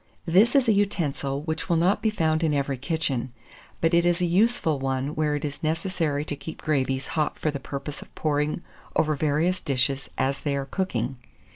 This is a utensil which will not be found in every kitchen; but it is a useful one where it is necessary to keep gravies hot for the purpose of pouring over various dishes as they are cooking.